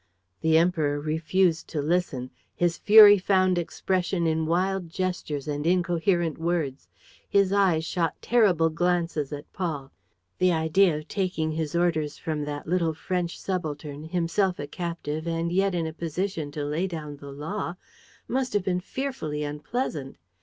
The Emperor refused to listen. His fury found expression in wild gestures and incoherent words. His eyes shot terrible glances at Paul. The idea of taking his orders from that little French subaltern, himself a captive and yet in a position to lay down the law, must have been fearfully unpleasant.